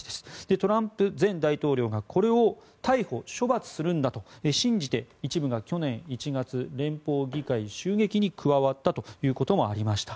トランプ前大統領がこれを逮捕・処罰するんだと信じて、一部が去年１月連邦議会襲撃に加わったということもありました。